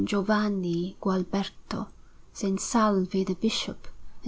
Giovanni Gualberto, S. Salvi the Bishop, and S.